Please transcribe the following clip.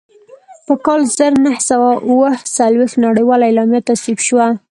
په کال زر نهه سوه اووه څلوېښت نړیواله اعلامیه تصویب شوه.